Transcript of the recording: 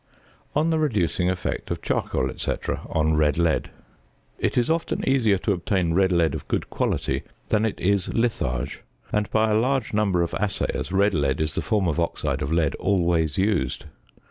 On the Reducing Effect of Charcoal, &c., on Red Lead. It is often easier to obtain red lead of good quality than it is litharge, and by a large number of assayers red lead is the form of oxide of lead always used.